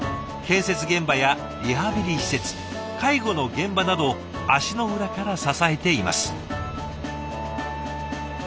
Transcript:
建設現場やリハビリ施設介護の現場などを足の裏から支えています。